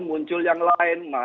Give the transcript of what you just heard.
muncul yang lain